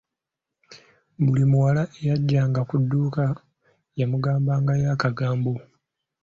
Buli muwala eyajjanga ku dduuka yamugambangayo akagambo.